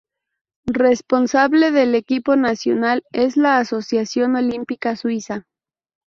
Responsable del equipo nacional es la Asociación Olímpica Suiza.